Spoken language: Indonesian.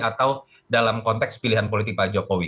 atau dalam konteks pilihan politik pak jokowi